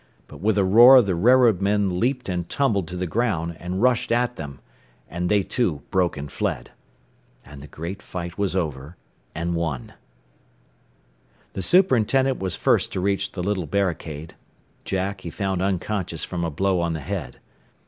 But with a roar the railroadmen leaped and tumbled to the ground, and rushed at them, and they too broke and fled. And the great fight was over, and won. The superintendent was first to reach the little barricade. Jack, he found unconscious from a blow on the head.